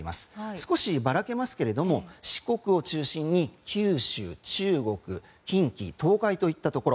少しばらけますが四国を中心に九州、中国近畿・東海といったところ。